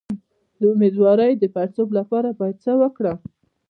د امیدوارۍ د پړسوب لپاره باید څه وکړم؟